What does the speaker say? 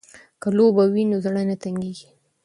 که لوبه وي نو زړه نه تنګیږي.